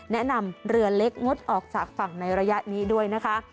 แนะนำเรือเล็กงดออกจากฝั่งในระยะนี้ด้วยนะคะ